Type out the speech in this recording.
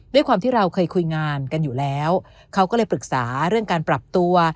ด้วยความที่เราเคยคุยงานกันอยู่แล้วเขาก็เลยปรึกษาเรื่องการปรับตัว